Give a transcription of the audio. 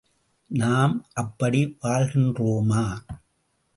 நாம் அப்படி வாழ்கின்றோமா?